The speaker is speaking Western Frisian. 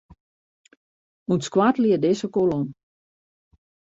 Untskoattelje dizze kolom.